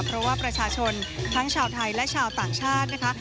เพราะว่าประชาชนทั้งชาวไทยและชาวต่างชาตินะคะ